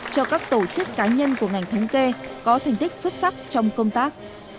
cho các tổ chức cá nhân của ngành thống kê có thành tích xuất sắc trong công tác